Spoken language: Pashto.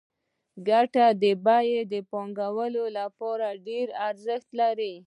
د ګټې بیه د پانګوال لپاره ډېر ارزښت لري